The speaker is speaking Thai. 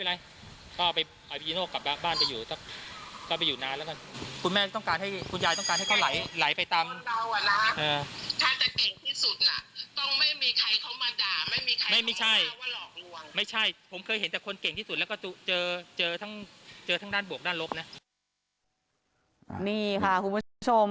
นี่ค่ะคุณผู้ชม